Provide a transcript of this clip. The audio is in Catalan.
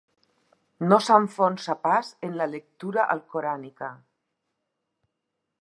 No s'enfonsa pas en la lectura alcorànica.